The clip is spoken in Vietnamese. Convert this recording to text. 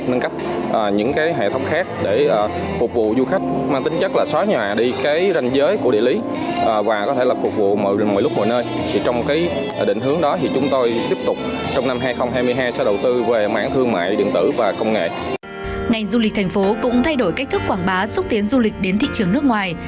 ngành du lịch thành phố cũng thay đổi cách thức quảng bá xúc tiến du lịch đến thị trường nước ngoài